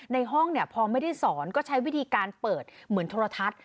ในห้องเนี่ยพอไม่ได้สอนก็ใช้วิธีการเปิดเหมือนโทรทัศน์